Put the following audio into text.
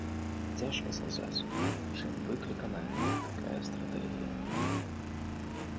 Цяжка сказаць, чым выкліканая такая стратэгія.